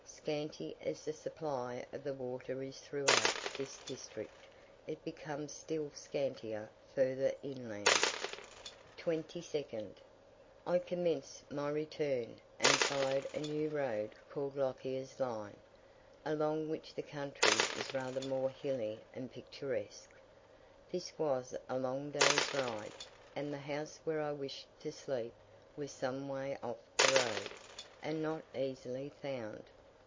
Scanty as the supply of the water is throughout this district, it becomes still scantier further inland. 22nd. I commenced my return, and followed a new road called Lockyer's Line, along which the country is rather more hilly and picturesque. This was a long day's ride; and the house where I wished to sleep was some way off the road, and not easily found.